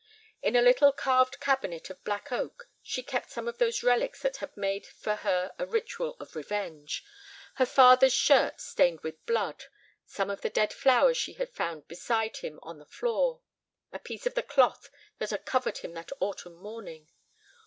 In a little carved cabinet of black oak she kept some of those relics that made for her a ritual of revenge—her father's shirt stained with blood, some of the dead flowers she had found beside him on the floor, a piece of the cloth that had covered him that autumn morning.